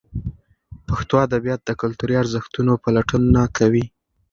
پښتو ادبیات د کلتوري ارزښتونو پلټونه کوي.